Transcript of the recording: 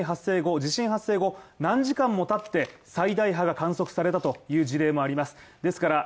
実際に東日本大震災でも、震災発生後地震発生後何時間も経って最大波が観測されたという事例もあります。